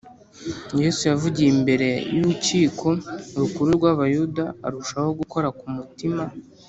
Yesu yavugiye imbere y’Urukiko Rukuru rw’Abayuda arushaho gukora ku mutima.